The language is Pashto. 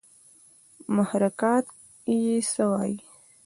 محرکات ئې څۀ وي